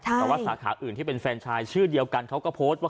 แต่ว่าสาขาอื่นที่เป็นแฟนชายชื่อเดียวกันเขาก็โพสต์ว่า